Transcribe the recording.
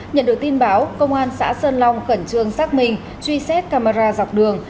nhận được tin báo công an xã sơn long khẩn trương xác minh truy xét camera dọc đường